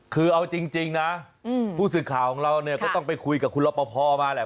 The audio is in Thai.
คือเอาจริงนะผู้สื่อข่าวของเราเนี่ยก็ต้องไปคุยกับคุณรอปภมาแหละ